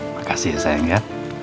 makasih ya sayang ya